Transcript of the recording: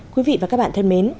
quý vị và các bạn thân mến